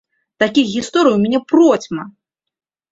Такіх гісторый у мяне процьма!